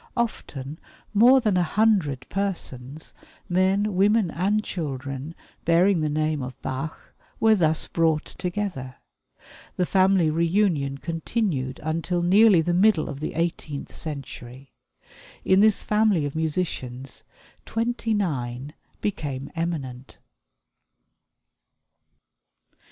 Often more than a hundred persons men, women, and children bearing the name of Bach were thus brought together. This family reunion continued until nearly the middle of the eighteenth century. In this family of musicians, twenty nine became eminent.